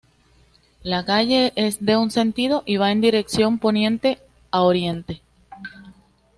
La calle es de un sentido y va en dirección poniente a oriente.